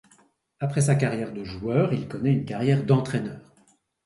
Après sa carrière de joueur, il connaît une carrière d'entraîneur.